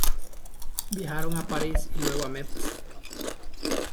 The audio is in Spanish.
Viajaron a París y luego a Metz.